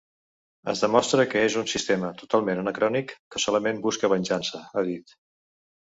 Es demostra que és un sistema totalment anacrònic, que solament busca venjança, ha dit.